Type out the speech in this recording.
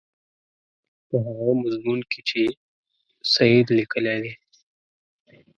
په هغه مضمون کې چې سید لیکلی دی.